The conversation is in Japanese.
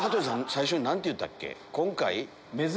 最初に何て言ったっけ？